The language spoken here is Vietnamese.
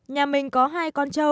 nhà mình có hai con trâu